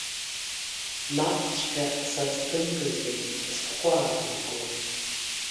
Наҟҵәҟьа сазҭымгазаргь, схәы аанагон…